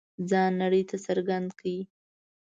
ځان نړۍ ته څرګند کړ.